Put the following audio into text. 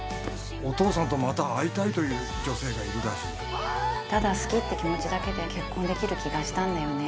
お父さんとまた会いたいという女性がいるらしいただ好きって気持ちだけで結婚できる気がしたんだよね